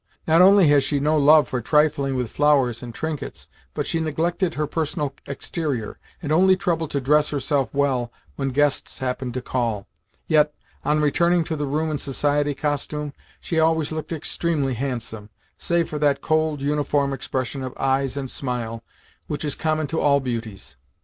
Not only had she no love for trifling with flowers and trinkets, but she neglected her personal exterior, and only troubled to dress herself well when guests happened to call. Yet, on returning to the room in society costume, she always looked extremely handsome save for that cold, uniform expression of eyes and smile which is common to all beauties.